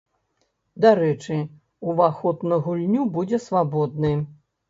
Дарэчы, уваход на гульню будзе свабодны.